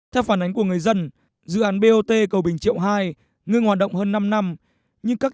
theo phản ánh của người dân dự án bot cầu bình triệu hai ngưng hoạt động hơn năm năm nhưng các